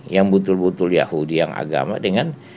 yang betul betul yahudi yang agama dengan